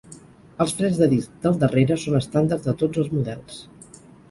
Els frens de disc del darrere són estàndard a tots els models.